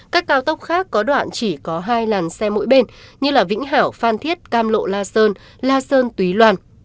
các cao tốc khác có đoạn chỉ có hai làn xe mỗi bên như vĩnh hảo phan thiết cam lộ la sơn la sơn túy loan